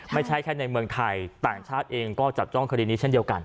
ไม่ใช่แค่ในเมืองไทยต่างชาติเองก็จับจ้องคดีนี้เช่นเดียวกัน